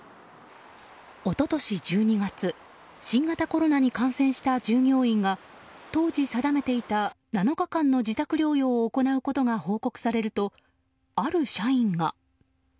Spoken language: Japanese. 一昨年１２月新型コロナに感染した従業員が当時、定めていた７日間の自宅療養を行うことが報告されるとある社員が。